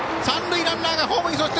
三塁ランナーがホームイン！